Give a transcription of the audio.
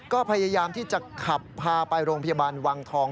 ก็พยายามที่จะขับพาไปโรงพยาบาลวังทอง